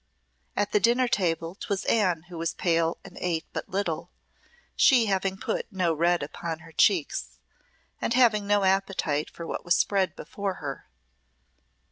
At the dinner table 'twas Anne who was pale and ate but little, she having put no red upon her cheeks, and having no appetite for what was spread before her.